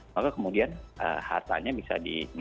maka kemudian hartanya bisa